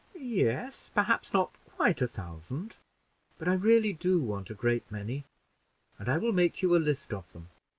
"Yes, perhaps not quite a thousand, but I really do want a great many, and I will make you a list of them.